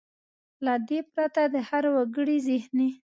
له دې پرته د هر وګړي زهني .